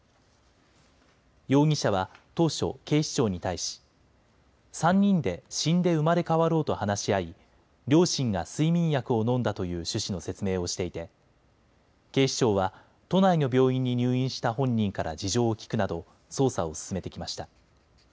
容疑者は当初、警視庁に対し３人で死んで生まれ変わろうと話し合い両親が睡眠薬を飲んだという趣旨の説明をしていて警視庁は都内の病院に入院した本人から事情を聴くなど捜査を進めてきました。